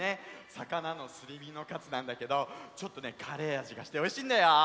さかなのすりみのカツなんだけどちょっとねカレーあじがしておいしいんだよ！